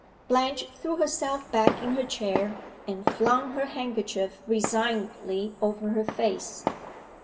Blanche threw herself back in her chair, and flung her handkerchief resignedly over her face.